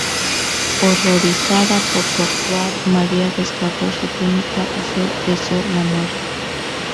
Horrorizada por su actuar, María desgarró su túnica y se deseó la muerte.